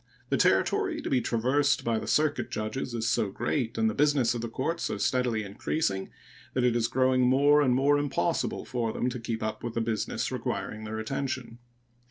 The territory to be traversed by the circuit judges is so great and the business of the courts so steadily increasing that it is growing more and more impossible for them to keep up with the business requiring their attention.